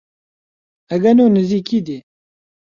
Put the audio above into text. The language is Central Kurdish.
ئەگەنۆ نزیکی دێ